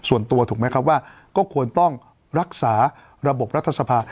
ว่าก็ควรต้องรักษาระบบรัฐศพา